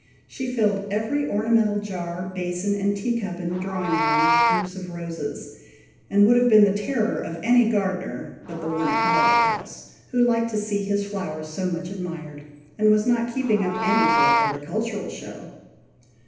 She filled every ornamental jar, basin, and tea cup in the drawing room, with groups of roses, and would have been the terror of any gardener but the one at Holiday House, who liked to see his flowers so much admired, and was not keeping up any for a horticultural show.